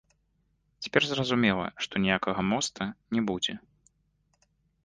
Цяпер зразумела, што ніякага моста не будзе.